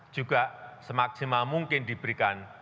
juga semaksimal mungkin diberikan